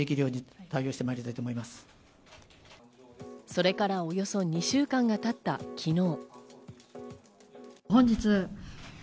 それからおよそ２週間が経った昨日。